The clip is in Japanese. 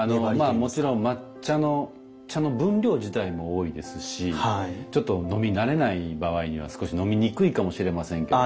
もちろん抹茶の茶の分量自体も多いですしちょっと飲み慣れない場合には少し飲みにくいかもしれませんけれども。